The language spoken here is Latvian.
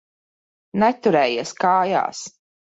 Neturējies kājās.